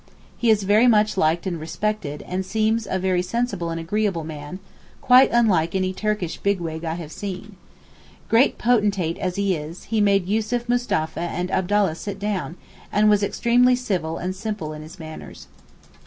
He is very much liked and respected, and seems a very sensible and agreeable man, quite unlike any Turkish big wig I have seen. Great potentate as he is, he made Yussuf Mustapha and Abdallah sit down, and was extremely civil and simple in his manners.